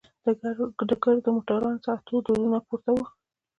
له ګردو موټرانو څخه تور دودونه پورته وو.